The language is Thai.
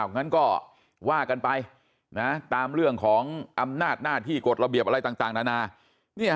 งั้นก็ว่ากันไปตามเรื่องของอำนาจหน้าที่กฎระเบียบอะไรต่างนานา